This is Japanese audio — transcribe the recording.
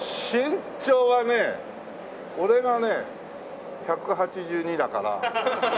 身長はね俺がね１８２だから。